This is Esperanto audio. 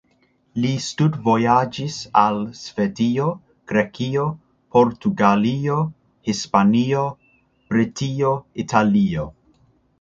Li studvojaĝis al Svedio, Grekio, Portugalio, Hispanio, Britio, Italio.